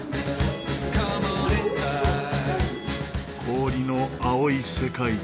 氷の青い世界。